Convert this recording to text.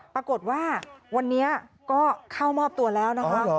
ปรากฏว่าวันนี้ก็เข้ามอบตัวแล้วนะคะ